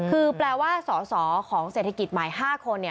คือแปลว่าสอสอของเศรษฐกิจใหม่๕คน